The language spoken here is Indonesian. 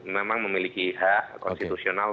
memang memiliki hak konstitusional